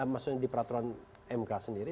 maksudnya di peraturan mk sendiri